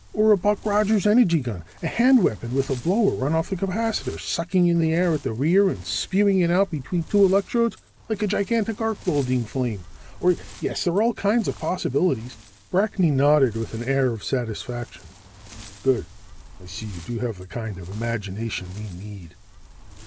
Or a Buck Rogers energy gun: a hand weapon with a blower run off the capacitor, sucking in air at the rear and spewing it out between two electrodes like a gigantic arc welding flame. Or yes, there are all kinds of possibilities." Brackney nodded with an air of satisfaction. "Good. I see you do have the kind of imagination we need.